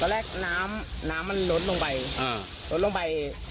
ตอนแรกน้ำมันลดลงไป